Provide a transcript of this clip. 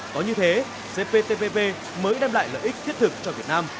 có như thế cptpp mới đem lại lợi ích thiết thực cho việt nam